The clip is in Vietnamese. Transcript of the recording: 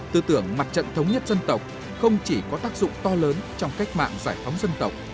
tư tưởng mặt trận thống nhất dân tộc không chỉ có tác dụng to lớn trong cách mạng giải phóng dân tộc